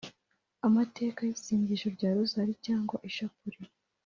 amateka y’isengesho rya rozali cyangwa ishapule